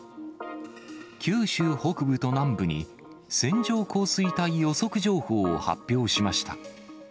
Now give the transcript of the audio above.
九州北部と南部に、線状降水帯予測情報を発表しました。